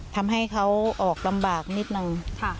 ทำให้เขาออกลำบากนิดนึง